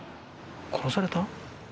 殺された？